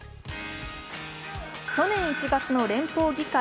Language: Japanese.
去年１月の連邦議会